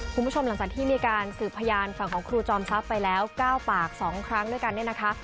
คุณผู้ชมหลังจากที่มีการสืบพยานฝั่งของครูจอมทรัพย์ไปแล้ว๙ปาก๒ครั้งด้วยกันเนี่ยนะคะ